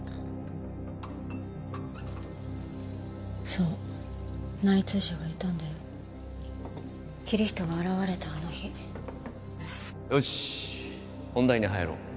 そう内通者がいたんだよキリヒトが現れたあの日よし本題に入ろう